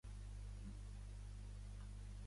La vida és molt avorrida sense el teu cos.